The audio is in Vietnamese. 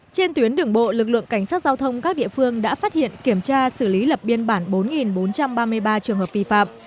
trên tuyến đường bộ lực lượng cảnh sát giao thông các địa phương đã phát hiện kiểm tra xử lý lập biên bản bốn bốn trăm ba mươi ba trường hợp vi phạm